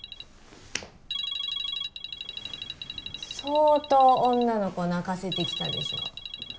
相当女の子泣かせてきたでしょ